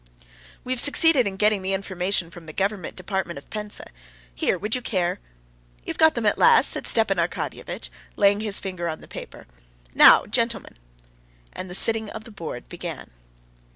"We have succeeded in getting the information from the government department of Penza. Here, would you care?..." "You've got them at last?" said Stepan Arkadyevitch, laying his finger on the paper. "Now, gentlemen...." And the sitting of the board began.